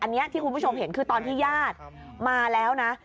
อันนี้ที่คุณผู้ชมเห็นคือตอนที่ญาติมาแล้วนะ